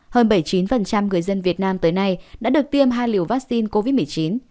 hơn bảy mươi chín người dân việt nam tới nay đã được tiêm hai liều vaccine covid một mươi chín